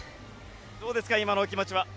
どうですか今のお気持ちは？